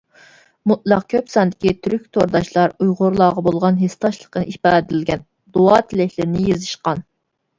مۇتلەق كۆپ ساندىكى تۈرك تورداشلار ئۇيغۇرلارغا بولغان ھېسداشلىقىنى ئىپادىلىگەن، دۇئا تىلەكلىرىنى يېزىشقان.